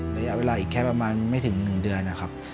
ระยะเวลาอีกแค่ประมาณไม่ถึง๑เดือนนะครับ